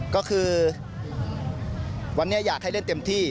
ก็คือวันนี้อยากให้เล่นเต็มที่